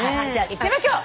いってみましょう！